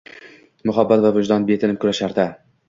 Muhabbat va vijdon betinim kurashardi